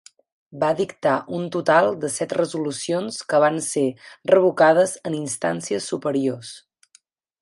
Va dictar un total de set resolucions que van ser revocades en instàncies superiors.